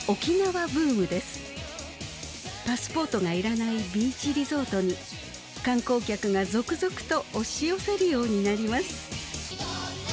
パスポートがいらないビーチリゾートに観光客が続々と押し寄せるようになります。